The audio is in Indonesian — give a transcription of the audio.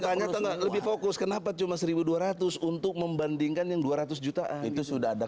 saya tanya lebih fokus kenapa cuma seribu dua ratus untuk membandingkan yang dua ratus jutaan itu sudah ada